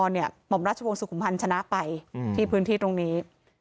หม่อมราชวงศุขุมพันธ์ชนะไปที่พื้นที่ตรงนี้